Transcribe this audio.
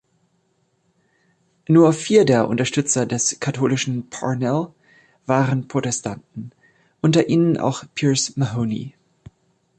Nur vier der Unterstützer des katholischen Parnell waren Protestanten, unter ihnen auch Pierce Mahony.